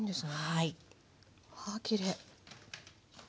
はあきれい。